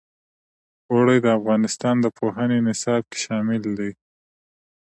اوړي د افغانستان د پوهنې نصاب کې شامل دي.